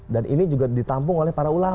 dan ini juga ditampung oleh para ulama